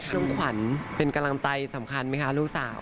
ขวัญเป็นกำลังใจสำคัญไหมคะลูกสาว